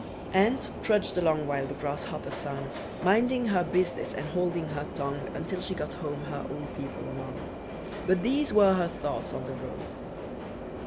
Ant trudged along, while the grasshopper sung, Minding her business and holding her tongue, Until she got home her own people among; But these were her thoughts on the road.